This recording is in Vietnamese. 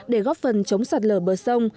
để góp phần chống sạt lở bờ sông